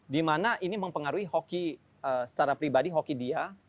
dimana ini mempengaruhi hoki secara pribadi hoki dia